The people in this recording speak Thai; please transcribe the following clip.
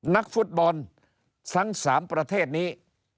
นักฟุตบอลทั้ง๓ประเทศนี้